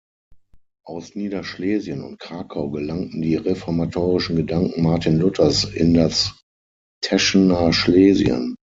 Aus Niederschlesien und Krakau gelangten die reformatorischen Gedanken Martin Luthers in das Teschener Schlesien.